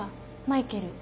マイケル。